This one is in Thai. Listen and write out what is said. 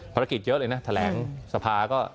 ภารกิจเยอะเลยนะแถลงสภาก็